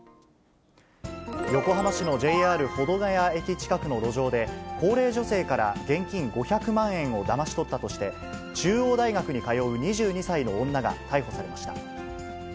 横浜市のＪＲ保土ケ谷駅近くの路上で、高齢女性から現金５００万円をだまし取ったとして、中央大学に通う２２歳の女が逮捕されました。